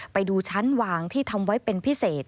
ไปดูชั้นวางที่ทำไว้เป็นพิเศษ